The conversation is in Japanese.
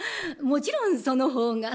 もちろんその方が。